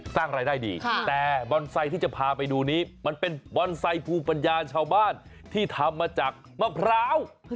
สร้างรายได้ดีแต่บอนไซค์ที่จะพาไปดูนี้มันเป็นบอนไซค์ภูมิปัญญาชาวบ้านที่ทำมาจากมะพร้าว